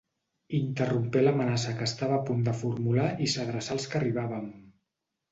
Interrompé l'amenaça que estava a punt de formular i s'adreçà als que arribàvem.